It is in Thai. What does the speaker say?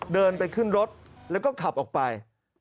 เดินไปขึ้นรถแล้วก็ขับออกไป